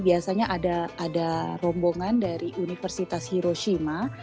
biasanya ada rombongan dari universitas hiroshima